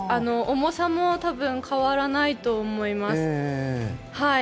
重さも多分、変わらないと思います。